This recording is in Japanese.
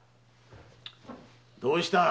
どうした？